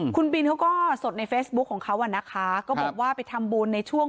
คุณบินเขาก็สดในเฟซบุ๊คของเขาอ่ะนะคะก็บอกว่าไปทำบุญในช่วง